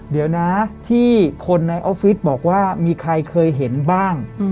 เดี๋ยวนะที่คนในออฟฟิศบอกว่ามีใครเคยเห็นบ้าง